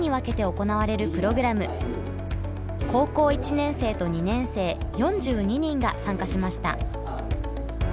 高校１年生と２年生４２人が参加しました。